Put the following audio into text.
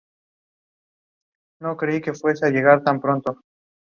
Saunderson attend Eton College.